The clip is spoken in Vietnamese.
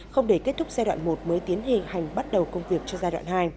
không để kết thúc giai đoạn một mới tiến hình hành bắt đầu công việc cho giai đoạn hai